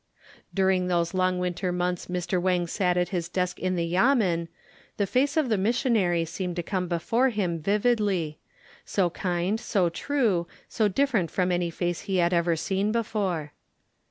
During those long winter months Mr. Wang sat at his desk in the Yamen the face of the missionary seemed to come before him vividly—so kind, so true, so different from any face he had ever seen before.